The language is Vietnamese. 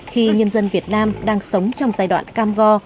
khi nhân dân việt nam đang sống trong giai đoạn cam go